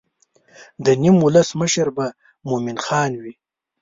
د نیم ولس مشر به مومن خان وي.